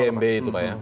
kmb itu pak ya